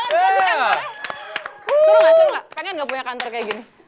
seru gak seru gak pengen gak punya kantor kayak gini